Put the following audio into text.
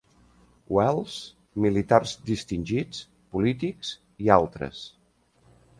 Wells, militars distingits, polítics i altres.